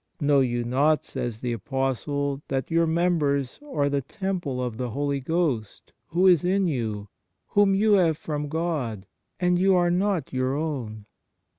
" Know you not," says the Apostle, " that your members are the temple of the Holy Ghost, who is in you, whom you have from God, and you are not your own